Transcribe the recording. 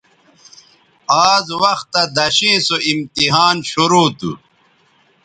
آز وختہ دݜیئں سو امتحان شرو تھو